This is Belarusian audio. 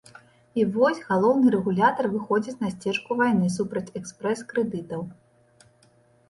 І вось, галоўны рэгулятар выходзіць на сцежку вайны супраць экспрэс-крэдытаў.